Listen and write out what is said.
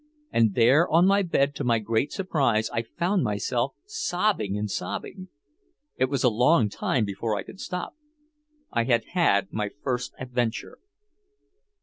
And there on my bed to my great surprise I found myself sobbing and sobbing. It was a long time before I could stop. I had had my first adventure.